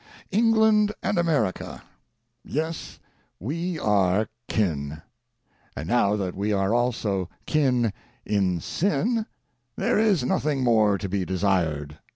England and America; yes, we are kin. And now that we are also kin in sin, there is nothing more to be de sired.